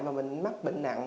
mà mình mắc bệnh nặng